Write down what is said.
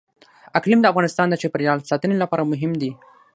اقلیم د افغانستان د چاپیریال ساتنې لپاره مهم دي.